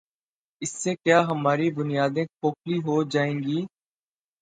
اس سے کیا ہماری بنیادیں کھوکھلی ہو جائیں گی؟